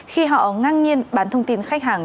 khi họ ngang nhiên bán thông tin khách hàng